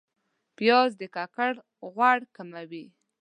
پیاز د ککر غوړ کموي